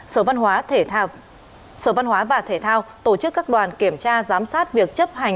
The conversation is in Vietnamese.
sở văn hóa và thể thao tổ chức các đoàn kiểm tra giám sát việc chấp hành